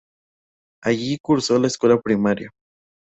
Allí cursó la escuela primaria.